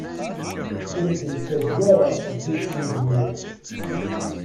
Ur d-nettaǧew ara zzit n uzemmur.